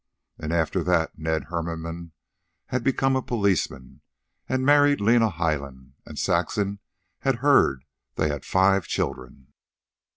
And after that Ned Hermanmann had become a policeman, and married Lena Highland, and Saxon had heard they had five children.